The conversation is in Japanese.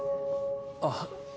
あっ。